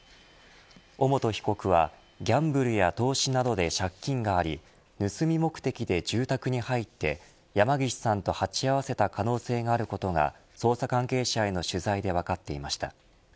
尾本被告はギャンブルや投資などで借金があり盗み目的で住宅に入って山岸さんと鉢合わせた可能性があることが捜査関係者への取材で分かっていました。